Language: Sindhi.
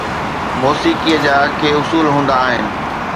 موسيقيءَ جا ڪي اصول هوندا آهن.